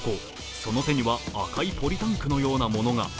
その手には赤いポリタンクのようなものが。